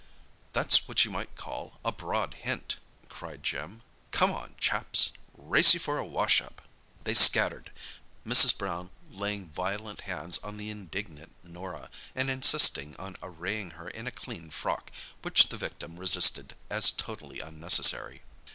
"That's what you might call a broad hint," cried Jim. "Come on, chaps—race you for a wash up!" They scattered, Mrs. Brown laying violent hands on the indignant Norah, and insisting on arraying her in a clean frock, which the victim resisted, as totally unnecessary.